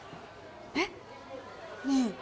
えっねえ